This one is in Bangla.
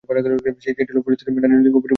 সেটি হল পুরুষ থেকে নারী লিঙ্গ পরিবর্তন সার্জারি।